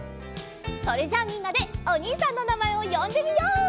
それじゃあみんなでおにいさんのなまえをよんでみよう！